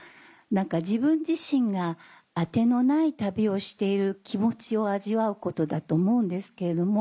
何か自分自身が当てのない旅をしている気持ちを味わうことだと思うんですけれども。